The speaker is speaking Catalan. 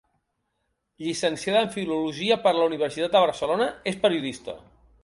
Llicenciada en Filologia per la Universitat de Barcelona, és periodista.